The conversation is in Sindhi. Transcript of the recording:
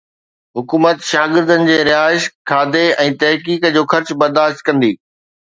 حڪومت شاگردن جي رهائش، کاڌي ۽ تحقيق جو خرچ برداشت ڪندي